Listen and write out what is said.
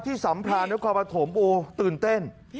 ที่สัมพลาณและคอปฐมโอ้โฮตื่นเต้น